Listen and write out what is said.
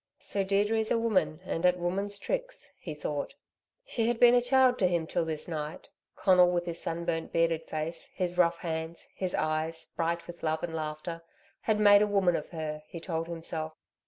"So Deirdre's a woman and at woman's tricks," he thought. She had been a child to him till this night. Conal with his sunburnt, bearded face, his rough hands, his eyes, bright with love and laughter, had made a woman of her, he told himself.